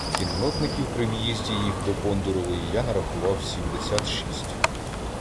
Кіннотників при в’їзді їх до Бондурової я нарахував сімдесят шість.